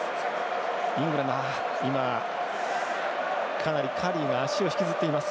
イングランド、かなりカリーが足を引きずっています。